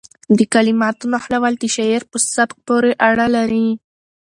د کلماتو نښلول د شاعر په سبک پورې اړه لري.